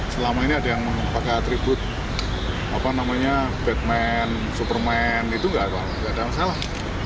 selama ini ada yang pakai atribut batman superman itu tidak ada masalah